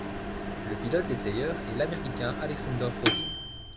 Le pilote essayeur est l'Américain Alexander Rossi.